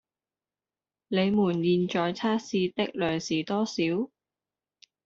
你們現在測試的量是多少？